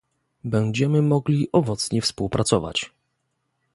Będziemy mogli owocnie współpracować